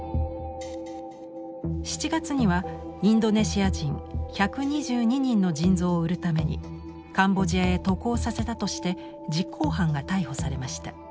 ７月にはインドネシア人１２２人の腎臓を売るためにカンボジアへ渡航させたとして実行犯が逮捕されました。